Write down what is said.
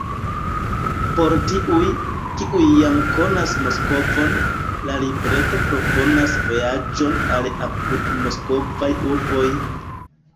Por tiuj, kiuj jam konas Moskvon, la libreto proponas vojaĝon al apudmoskvaj urboj.